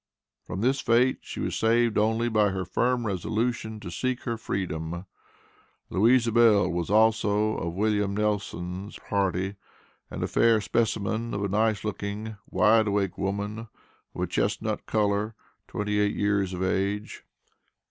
From this fate she was saved only by her firm resolution to seek her freedom. Louisa Bell was also of Wm. Nelson's party, and a fair specimen of a nice looking, wide awake woman; of a chestnut color, twenty eight years of age.